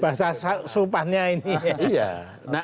bahasa supannya ini